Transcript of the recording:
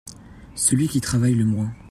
Celui qui travaille le moins.